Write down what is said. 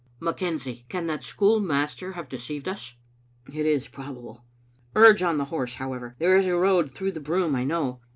" McKenzie, can that schoolmaster have deceived us?" "It is probable." "Urge on the horse, however. There is a road through the broom, I know.